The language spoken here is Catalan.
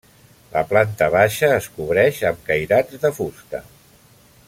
La planta baixa es cobreix amb cairats de fusta.